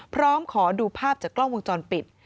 พร้อมขอดูภาพจากกล้องวงจรปิด